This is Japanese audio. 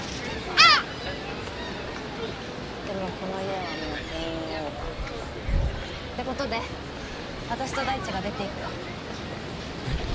うんでもこの家はもう定員オーバーてことで私と大地が出ていくよえっ？